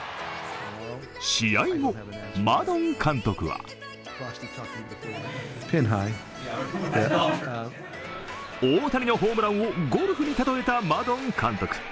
試合後、マドン監督は大谷のホームランをゴルフに例えたマドン監督。